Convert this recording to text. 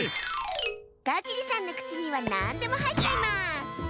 ガジリさんのくちにはなんでもはいっちゃいます！